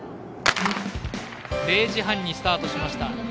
０時半にスタートしました。